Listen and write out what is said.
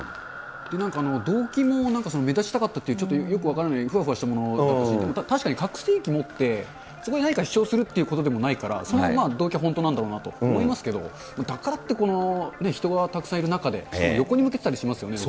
なんか動機も、目立ちたかったっていう、ちょっとよく分からないふわふわしたものだったし、確かに拡声機持って、そこで何か主張するっていうことでもないから、その動機は本当なんだろうなと思いますけど、だからって、この人がたくさんいる中で、しかも横に向けてたりしてますよね。